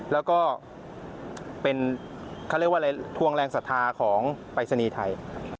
แล้วก็เป็นทวงแรงสถาของปริศนีย์ไทย